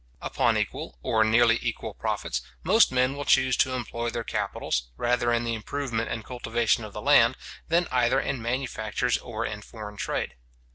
Upon equal, or nearly equal profits, most men will choose to employ their capitals, rather in the improvement and cultivation of land, than either in manufactures or in foreign trade.